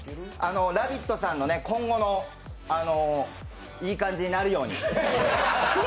「ラヴィット！」さんの今後のいい感じになるように。